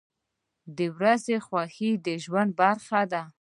• د ورځې خوښي د ژوند برخه ده.